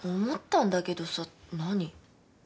思ったんだけどさ何？